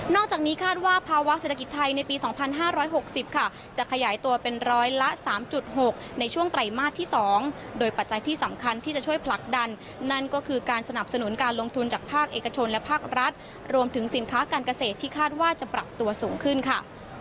จากนี้คาดว่าภาวะเศรษฐกิจไทยในปี๒๕๖๐ค่ะจะขยายตัวเป็นร้อยละ๓๖ในช่วงไตรมาสที่๒โดยปัจจัยที่สำคัญที่จะช่วยผลักดันนั่นก็คือการสนับสนุนการลงทุนจากภาคเอกชนและภาครัฐรวมถึงสินค้าการเกษตรที่คาดว่าจะปรับตัวสูงขึ้นค่ะ